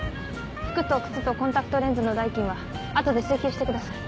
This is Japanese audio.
服と靴とコンタクトレンズの代金は後で請求してください。